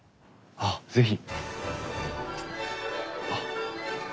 あっ是非。